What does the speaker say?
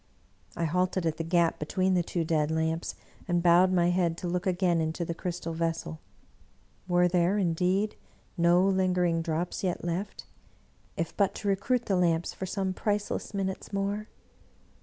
I halted at the gap between the two dead lamps, and bowed my head to look again into the crystal vessel. Were there, indeed, no lingering drops 95 English Mystery Stories yet left, if but to recruit the lamps for some priceless minutes more?